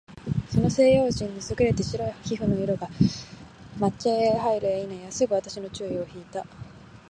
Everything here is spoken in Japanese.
その西洋人の優れて白い皮膚の色が、掛茶屋へ入るや否いなや、すぐ私の注意を惹（ひ）いた。